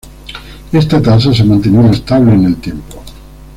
Esta tasa se ha mantenido estable en el tiempo.